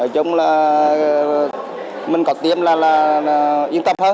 trong đó mình có tiêm là yên tâm hơn